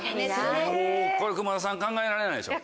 これ熊田さん考えられないでしょ？